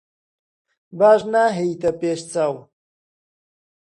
باش ناهێیتە پێش چاو.